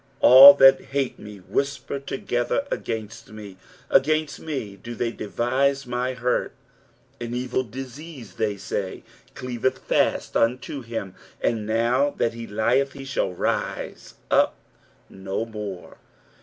7 All that hate me whisper together against me; against me do they devise my hurt. 8 An evil disease, say they, cleaveth fast unto him : and now that he lieth he shall rise up no more.